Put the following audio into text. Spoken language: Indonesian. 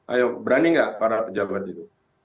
ayo berani nggak para pejabat itu